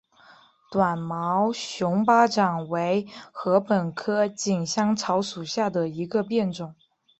短毛熊巴掌为禾本科锦香草属下的一个变种。